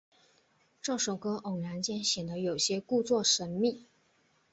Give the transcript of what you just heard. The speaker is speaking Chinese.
这首歌偶然间显得有些故作神秘。